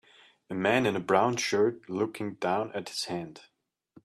A man in a brown shirt looking down at his hand.